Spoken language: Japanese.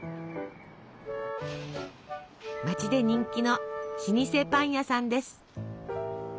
街で人気の老舗パン屋さんです。